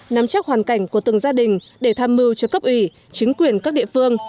nắm chắc hoàn cảnh của từng gia đình để tham mưu cho cấp ủy chính quyền các địa phương